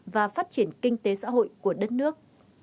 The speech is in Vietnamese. và phát triển kinh tế xã hội của đất nước